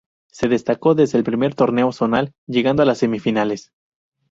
Se destacó desde el primer torneo zonal, llegando a las semifinales.